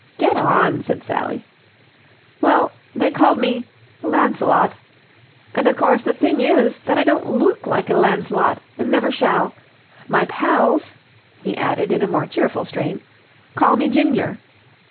"Get on," said Sally. "Well, they called me Lancelot. And, of course, the thing is that I don't look like a Lancelot and never shall. My pals," he added in a more cheerful strain, "call me Ginger."